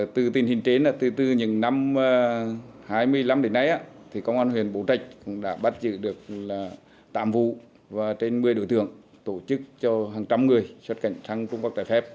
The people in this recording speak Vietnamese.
từ tình hình trên từ những năm hai nghìn năm đến nay công an huyện bố trạch cũng đã bắt giữ được tám vụ và trên một mươi đối tượng tổ chức cho hàng trăm người xuất cảnh sang trung quốc trái phép